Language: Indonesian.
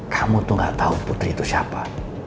kamu tuh gak tahu putri itu siapa